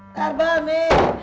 ntar bang umi